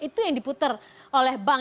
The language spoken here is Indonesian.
itu yang diputar oleh bank